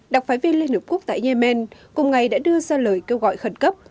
đặc phái viên liên hợp quốc tại yemen cùng ngày đã đưa ra lời kêu gọi khẩn cấp